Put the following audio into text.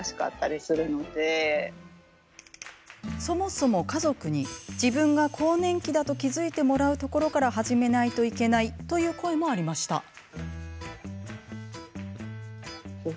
そもそも家族に自分が更年期だと気付いてもらうところから始めないといけないという声もありました。